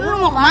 lu mau kemana